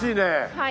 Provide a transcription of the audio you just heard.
はい。